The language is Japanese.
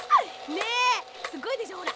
ねえすっごいでしょほら。